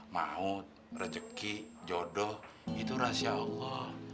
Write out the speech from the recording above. mahut rezeki jodoh itu rahasia allah